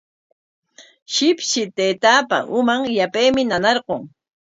Shipshi taytaapa uman yapaymi nanarqun.